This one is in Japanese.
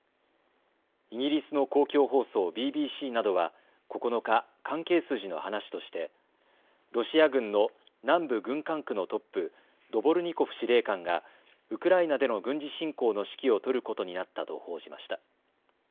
イギリスの公共放送、ＢＢＣなどは９日、関係筋の話としてロシア軍の南部軍管区のトップ、ドボルニコフ司令官がウクライナでの軍事侵攻の指揮を執ることになったと報じました。